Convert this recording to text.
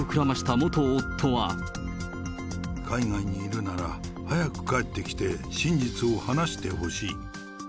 海外にいるなら、早く帰ってきて、真実を話してほしい。